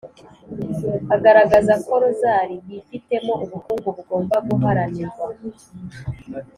agaragaza ko rozali yifitemo ubukungu bugomba guharanirwa :